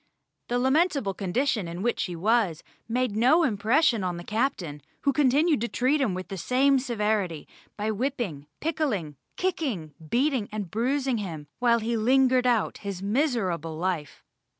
The lamentable condition in which he was made no impression on the captain, who continued to treat him with the same severity, by whipping, pickling, kicking, beating, and bruising him while he lingered out his miserable life.